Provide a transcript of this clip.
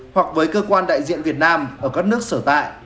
hoặc với cơ quan đại diện việt nam ở các nước sở tại